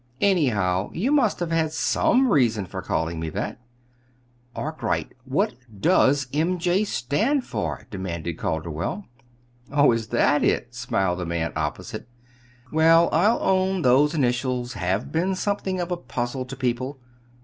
"Anyhow, you must have had some reason for calling me that." "Arkwright, what does 'M. J.' stand for?" demanded Calderwell. "Oh, is that it?" smiled the man opposite. "Well, I'll own those initials have been something of a puzzle to people.